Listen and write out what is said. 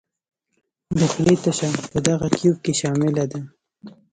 د خولې تشه په دغه تیوپ کې شامله ده.